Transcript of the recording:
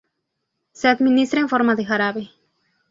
Se administra en forma de jarabe.